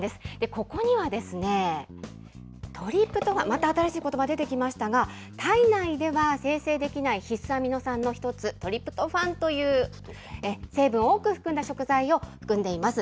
ここには、トリプトファン、また新しいことばが出てきましたが、体内では生成できない必須アミノ酸の一つ、トリプトファンという成分を多く含んだ食材を含んでいます。